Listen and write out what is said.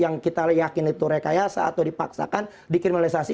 yang kita yakin itu rekayasa atau dipaksakan dikriminalisasi